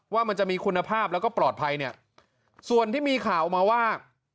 ว่ามันจะมีคุณภาพแล้วก็ปลอดภัยเนี่ยส่วนที่มีข่าวออกมาว่า